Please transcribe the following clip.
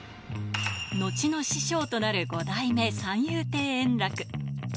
後の師匠となる、五代目三遊亭圓楽。